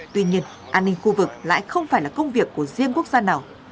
tuy nhiên an ninh khu vực lại không phải là công việc của riêng quốc gia nào